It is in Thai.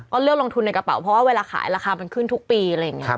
ก็เลือกลงทุนในกระเป๋าเพราะว่าเวลาขายราคามันขึ้นทุกปีอะไรอย่างนี้